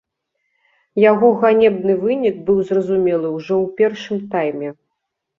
Яго ганебны вынік быў зразумелы ўжо ў першым тайме.